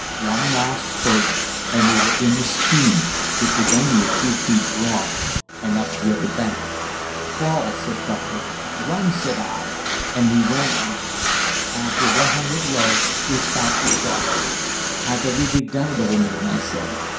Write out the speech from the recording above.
One last spurt and we were in the stream (it was only a few feet broad), and up the other bank. "Crawl," said Buckley. "Run," said I, and we ran. After 100 yards we stopped exhausted. "I believe we've done it, old man," I said.